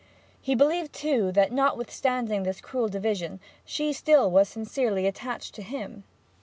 He believed, too, that, notwithstanding this cruel division, she still was sincerely attached to him.